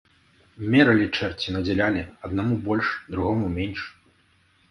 Мералі, чэрці, надзялялі, аднаму больш, другому менш.